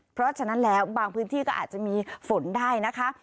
เพราะฉะนั้นแล้วบางพื้นที่ก็อาจจะมีฝนได้นะคะ